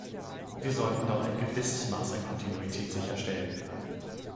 Wir sollten doch ein gewisses Maß an Kontinuität sicherstellen.